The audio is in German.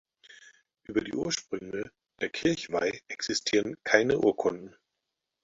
Über die Ursprünge der Kirchweih existieren keine Urkunden.